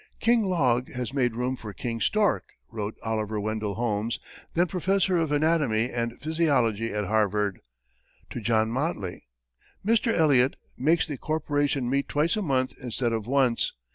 "King Log has made room for King Stork," wrote Oliver Wendell Holmes, then professor of anatomy and physiology at Harvard, to John Motley. "Mr. Eliot makes the corporation meet twice a month instead of once.